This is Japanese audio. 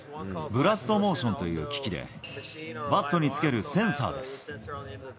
ブラストモーションという機器で、バットにつけるセンサーです。